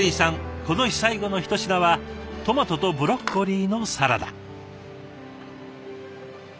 この日最後のひと品はトマトとブロッコリーのサラダ。